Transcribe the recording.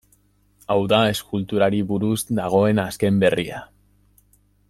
Hau da eskulturari buruz dagoen azken berria.